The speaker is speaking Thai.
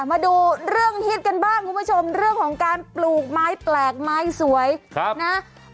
มาดูเรื่องฮิตกันบ้างคุณผู้ชมเรื่องของการปลูกไม้แปลกไม้สวยนะ